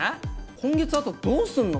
今月あとどうすんの？